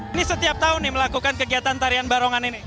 ini setiap tahun nih melakukan kegiatan tarian barongan ini